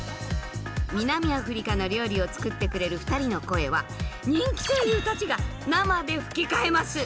南アフリカの料理を作ってくれる２人の声は人気声優たちが生で吹き替えます。